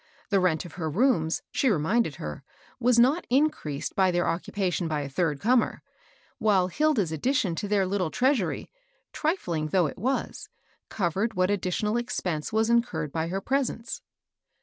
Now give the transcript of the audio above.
The rent of her rooms, she reminded her, was not increased by their occu pation by a third comer, while Hilda's addition to their little treasury, trifling though it was, covered what additional expense was incurred by her pres ence.